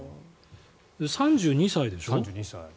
３２歳でしょ？